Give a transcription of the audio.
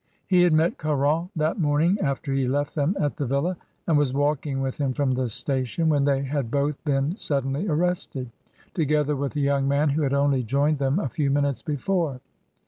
He had met Caron that morning after he left them at the villa, and was walking with him from the station, when they had both been suddenly arrested, to gether with a young man who had only joined them a few minutes before.